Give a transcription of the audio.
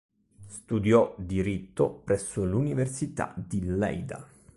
Studiò diritto presso l'Università di Lleida.